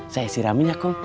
saya siram minyak kum